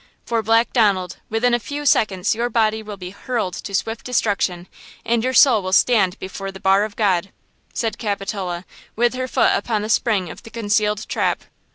For, Black Donald, within a few seconds your body will be hurled to swift destruction, and your soul will stand before the bar of God!" said Capitola, with her foot upon the spring of the concealed trap.